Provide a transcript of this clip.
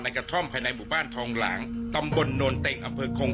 กระท่อมภายในหมู่บ้านทองหลางตำบลโนนเต็งอำเภอคง